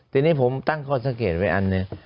ทีนี้ผมตั้งข้อสังเกตไว้อันหนึ่ง